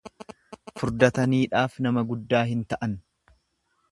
Furdataniidhaaf nama guddaa hin ta'an.